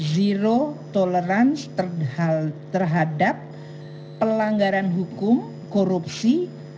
zero tolerance terhadap pelanggaran hukum korupsi